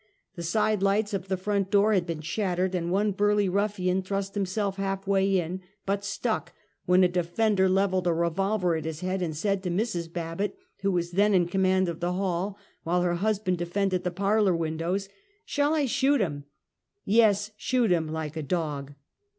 The side lights of the front door had been shattered, and one burly ruflSan thrust himself half way in, but stuck, when a defender leveled a re volver at his head, and said to Mrs. Babbitt, who was then in command of the hall, while her husband de fended the parlor windows: " Shall I shoot iiim?" " Yes, shoot him like a dog."